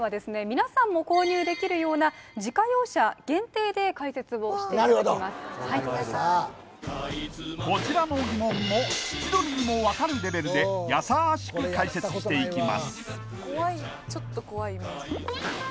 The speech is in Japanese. みなさんも購入できるような自家用車限定で解説をしていただきますなるほどありがたいこちらの疑問も千鳥にも分かるレベルでやさしく解説していきます